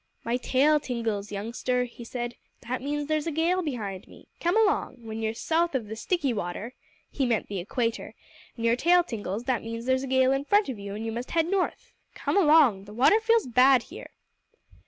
"My tail tingles, youngster," he said. "That means there's a gale behind me. Come along! When you're south of the Sticky Water [he meant the Equator] and your tail tingles, that means there's a gale in front of you and you must head north. Come along! The water feels bad here."